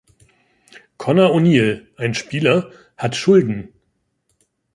Conor O’Neill, ein Spieler, hat Schulden.